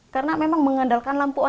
karena memang mengandalkan lampu on